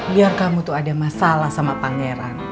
biar kamu tuh ada masalah sama pangeran